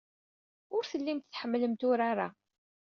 Ur tellimt tḥemmlemt urar-a.